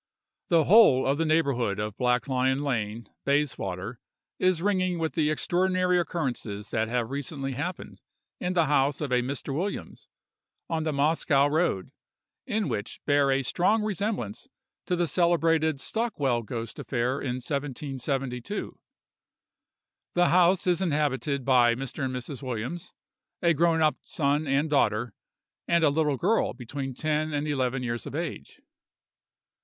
—The whole of the neighborhood of Black Lion lane, Bayswater, is ringing with the extraordinary occurrences that have recently happened in the house of a Mr. Williams, in the Moscow road, and which bear a strong resemblance to the celebrated Stockwell ghost affair in 1772. The house is inhabited by Mr. and Mrs. Williams, a grown up son and daughter, and a little girl between ten and eleven years of age.